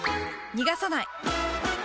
逃がさない！